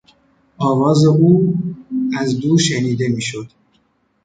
آواز او از دور شنیده میشد.